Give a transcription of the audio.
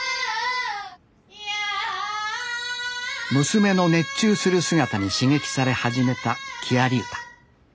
娘の熱中する姿に刺激され始めた木遣り歌。